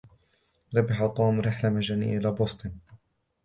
ربح توم رحلة مجانية إلى بوسطن.